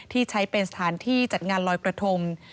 ที่ใช้เป็นสถานที่จัดงานลอยกระทง